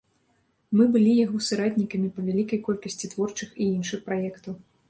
Мы былі яго саратнікамі па вялікай колькасці творчых і іншых праектаў.